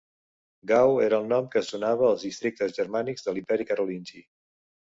Gau era el nom que es donava als districtes germànics de l'imperi carolingi.